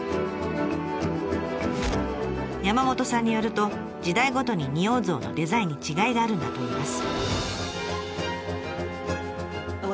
山本さんによると時代ごとに仁王像のデザインに違いがあるんだといいます。